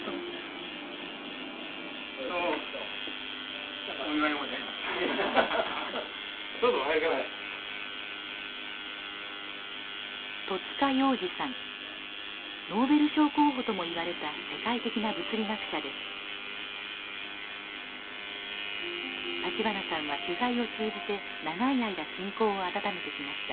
立花さんは取材を通じて長い間親交を温めてきました。